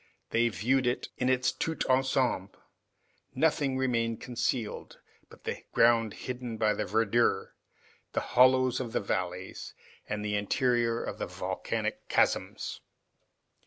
They viewed it in its tout ensemble, nothing remained concealed but the ground hidden by verdure, the hollows of the valleys, and the interior of the volcanic chasms.